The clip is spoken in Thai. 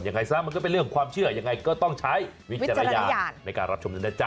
ยังไงซะมันก็เป็นเรื่องความเชื่อยังไงก็ต้องใช้วิจารณญาณในการรับชมด้วยนะจ๊